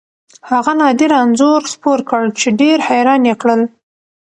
هغه نادره انځور خپور کړ چې ډېر حیران یې کړل.